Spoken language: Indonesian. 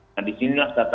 nah disinilah data yang ada